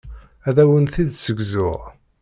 Ad awent-t-id-ssegzuɣ.